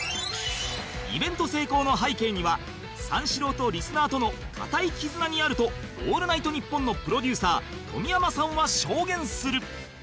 イベント成功の背景には三四郎とリスナーとの固い絆にあると『オールナイトニッポン』のプロデューサー冨山さんは証言する